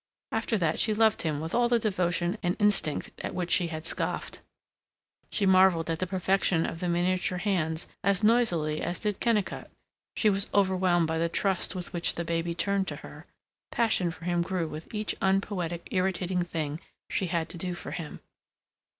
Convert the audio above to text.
After that she loved him with all the devotion and instinct at which she had scoffed. She marveled at the perfection of the miniature hands as noisily as did Kennicott, she was overwhelmed by the trust with which the baby turned to her; passion for him grew with each unpoetic irritating thing she had to do for him.